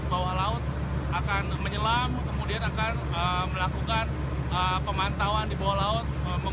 bawah laut akan menyelam kemudian akan melakukan pemantauan di bawah laut